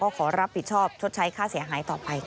ขอรับผิดชอบชดใช้ค่าเสียหายต่อไปค่ะ